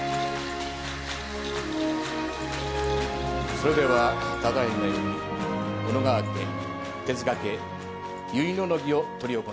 それではただいまより小野川家手塚家結納の儀を執り行います。